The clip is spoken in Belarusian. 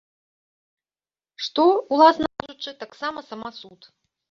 Што, уласна кажучы, таксама самасуд.